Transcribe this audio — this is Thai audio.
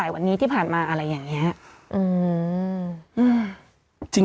วันนี้ที่ผ่านมาอะไรอย่างนี้